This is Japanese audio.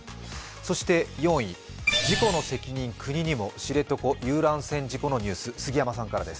そして４位、事故の責任、国にも、知床遊覧船の事故のニュース。